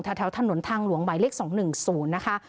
แถวถนนทางหลวงไบเล็กสองหนึ่งศูนย์นะคะ